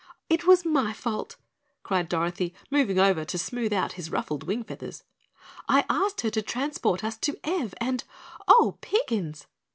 "It was my fault," cried Dorothy, moving over to smooth out his ruffled wing feathers. "I asked her to transport us to Ev, and OH, PIGGINS!"